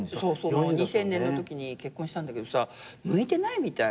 ２０００年のときに結婚したんだけどさ向いてないみたい。